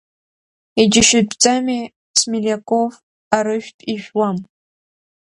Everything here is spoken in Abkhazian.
Иџьашьатәӡами, Смелиаков арыжәтә ижәуам.